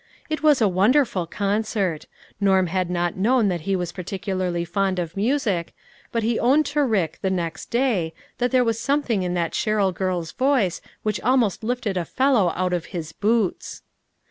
It was a wonderful concert. Norm had not known that he was particularly 268 LITTLE FISHERS.' AND THEIR NETS. fond of music, but he owned to Rick the next day, that there was something in that Sherrill girl's voice which almost lifted a fellow out of his boots.